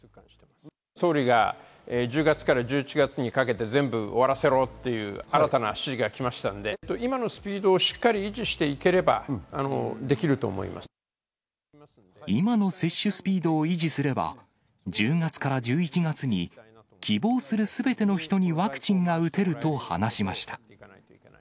総理が１０月から１１月にかけて全部終わらせろっていう新たな指示が来ましたんで、今のスピードをしっかり維持していければ今の接種スピードを維持すれば、１０月から１１月に、希望するすべての人にワクチンが打てると話しました。